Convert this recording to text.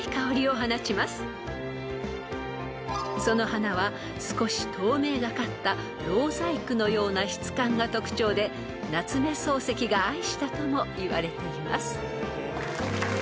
［その花は少し透明がかったろう細工のような質感が特徴で夏目漱石が愛したともいわれています］